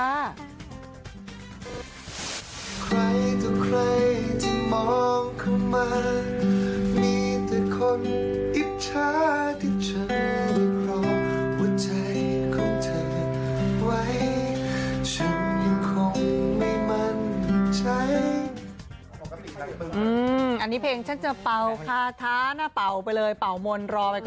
อันนี้เพลงฉันจะเปล่าขาท้านะเปล่าไปเลยเปล่ามนรอไปก่อน